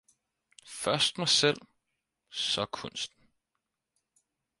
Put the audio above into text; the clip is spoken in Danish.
Først mig selv, så kunsten!